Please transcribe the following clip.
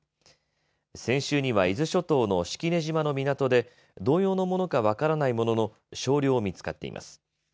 先週には伊豆諸島の式根島の港で同様のものか分からないものの少量見つかっています。